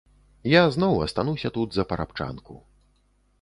Я зноў астануся тут за парабчанку.